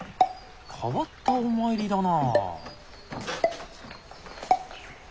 変わったお参りだな。